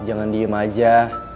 jangan diem aja